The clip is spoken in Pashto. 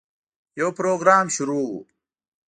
یو پروګرام شروع و.